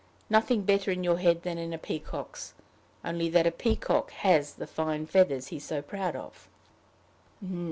Nothing better in your head than in a peacock's! only that a peacock has the fine feathers he's so proud of."